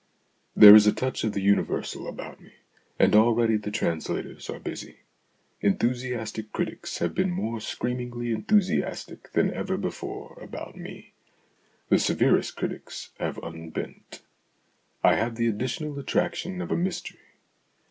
There is a touch of the universal about me, and already the translators are busy. Enthusiastic critics have been more screamingly THE AUTOBIOGRAPHY OF AN IDEA 59 enthusiastic than ever before about me ; the severest critics have unbent. I have the additional attraction of a mystery.